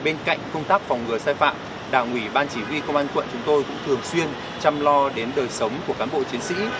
bên cạnh công tác phòng ngừa sai phạm đảng ủy ban chỉ huy công an quận chúng tôi cũng thường xuyên chăm lo đến đời sống của cán bộ chiến sĩ